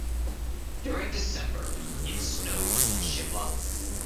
During December it snows in Shimla.